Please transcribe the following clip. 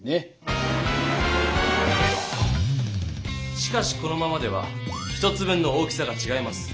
しかしこのままでは１つ分の大きさがちがいます。